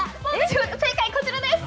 正解はこちらです。